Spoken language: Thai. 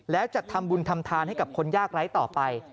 แล้วจะทำบุญทำทานให้กับคนยากไร้ต่อไป